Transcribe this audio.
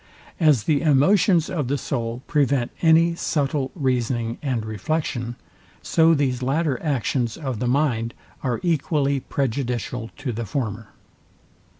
As the emotions of the soul prevent any subtile reasoning and reflection, so these latter actions of the mind are equally prejudicial to the former.